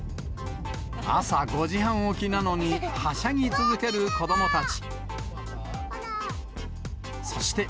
朝５時半起きなのにはしゃぎ続ける子どもたち。